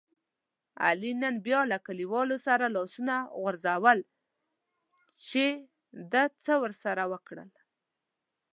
علي نن بیا له کلیوالو سره لاسونه غورځول چې ده څه ورسره وکړل.